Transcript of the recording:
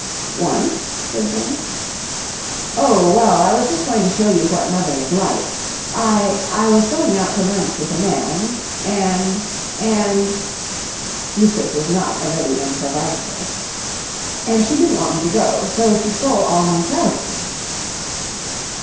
"Once—...?" said Jane. "Oh, well, I was just going to show you what mother is like. I—I was going out to lunch with a man, and—and—" Eustace was not a ready improvisator—"and she didn't want me to go, so she stole all my trousers!"